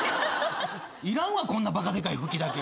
いらんわこんなバカでかいふきだけ。